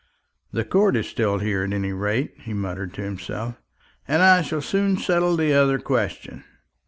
"The court is still here, at any rate," he muttered to himself, "and I shall soon settle the other question."